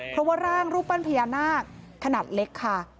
เพราะว่าร่างรูปปั้นพญานาคขนาดเล็กค่ะ